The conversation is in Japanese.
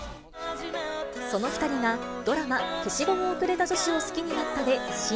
その２人が、ドラマ、消しゴムをくれた女子を好きになった。